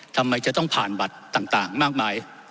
ทำไมจะต้องผ่านบัตรต่างมากมาย